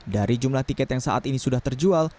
dari jumlah tiket yang saat ini sudah terjual